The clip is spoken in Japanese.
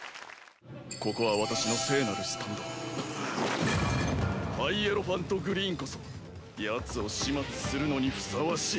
ここは私の聖なるスタンドハイエロファントグリーンこそヤツを始末するのにふさわしい。